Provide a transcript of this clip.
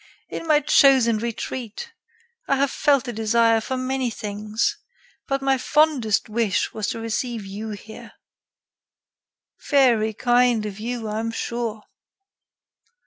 "In my chosen retreat, I have felt a desire for many things, but my fondest wish was to receive you here." "Very kind of you, I am sure."